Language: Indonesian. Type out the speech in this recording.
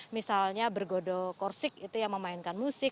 misalnya bergodo korsik itu yang memainkan musik